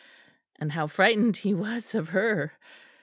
And how frightened he was of her!